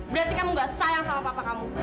berarti kamu gak sayang sama papa kamu